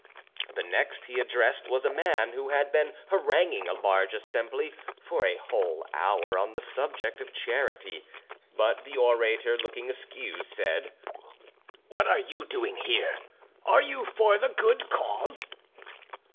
The next he addressed was a man who had been haranguing a large assembly for a whole hour on the subject of charity. But the orator, looking askew, said: "What are you doing here? Are you for the good cause?"